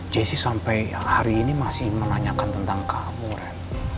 jessi sampai hari ini masih menanyakan tentang kamu ren